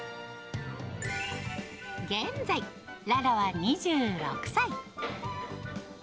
現在、ララは２６歳。